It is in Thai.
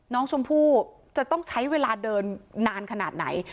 น้องชมพู่จะต้องใช้เวลาเดินนานขนาดไหน